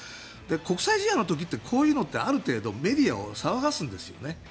国際試合の時ってこういうのってある程度メディアを騒がすんですよね。